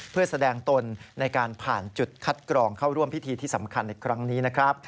เพื่อแสดงตนในการผ่านจุดคัดกรองเข้าร่วมพิธีที่สำคัญในครั้งนี้นะครับ